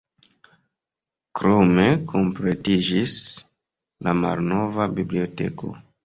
Krome kompletiĝis la malnova biblioteko.